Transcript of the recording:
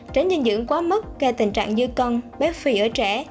tránh dinh dưỡng quá mất gây tình trạng dư cân bếp phì ở trẻ